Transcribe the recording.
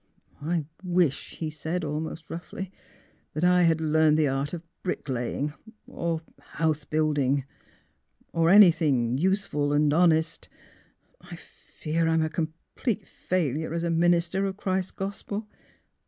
" I wish," he said, almost roughly, *' that I had learned the art of brick lajdng, or house building, or — anything useful and — honest. I fear I'm a complete failure as a minister of Christ's gospel.